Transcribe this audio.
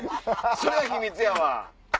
それは秘密やわ。